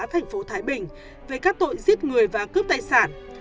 thành phố thái bình về các tội giết người và cướp tài sản